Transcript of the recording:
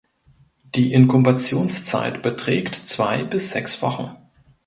Die Inkubationszeit beträgt zwei bis sechs Wochen.